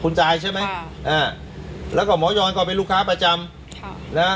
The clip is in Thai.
คุณจ่ายใช่ไหมอ่าแล้วก็หมอยอนก็เป็นลูกค้าประจำค่ะนะฮะ